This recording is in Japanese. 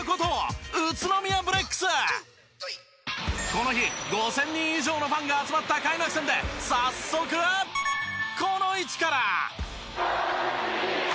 この日５０００人以上のファンが集まった開幕戦で早速この位置から。